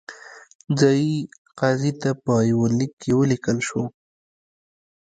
ځايي قاضي ته په یوه لیک کې ولیکل شول.